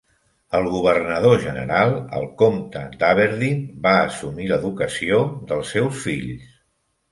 El Governador general, el Comte d'Aberdeen, va assumir l'educació dels seus fills.